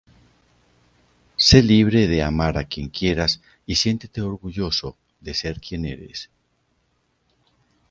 Adenauer defendió su posición pro-occidental para disgusto de algunos de sus oponentes.